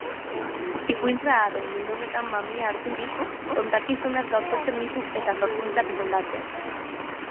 Ipuin zaharren bildumetan mamia harturik, kontakizunak gaurkotzen ditu eta sorkuntzak moldatzen.